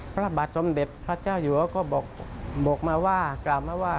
พระบาทสำเด็จพระเจ้าอยู่เขาก็บอกมาว่า